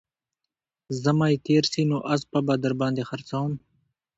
زمى تېر سي نو اسپه به در باندې خرڅوم